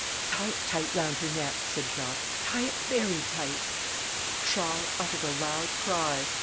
"Tie it tight round her neck," said Jacques; "tie it very tight." Charles uttered a loud cry.